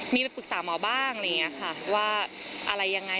มีไปปรึกษาหมอบ้างอะไรอย่างนี้ค่ะว่าอะไรยังไง